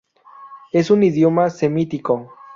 Es un idioma semítico.